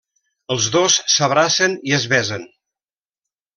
Els dos s'abracen i es besen.